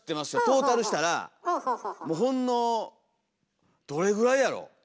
トータルしたらもうほんのどれぐらいやろ？